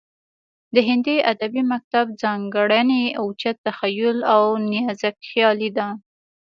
د هندي ادبي مکتب ځانګړنې اوچت تخیل او نازکخیالي ده